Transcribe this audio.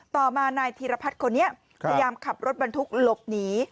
ต่อมานายธีรพัฒน์คนนี้พยายามขับรถบรรทุกหลบหนี